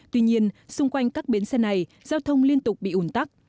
tuy nhiên xung quanh các bến xe này giao thông liên tục bị ủn tắc